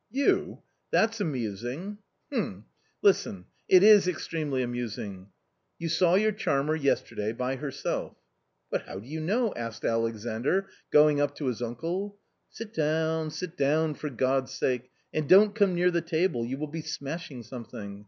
" You ? that's amusing." " H'm ! listen, it is extremely amusing ! You saw your charmer yesterday by herself." " But how do you know? " asked Alexandr, going up to his uncle. "Sit down, sit down, for God's sake, and don't come near the table, you will be smashing something.